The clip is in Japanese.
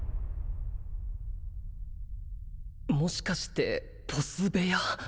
もしかしてボス部屋？